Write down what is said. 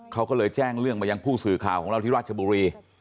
เขาก็เลยแจ้งเรื่องมายังผู้สื่อข่าวของเราที่ราชบุรี